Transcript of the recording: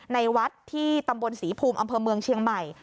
ในวัดที่ตำบลศรีภูมิอำเภอเมืองเชียงใหม่